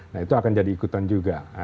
nah itu akan jadi ikutan juga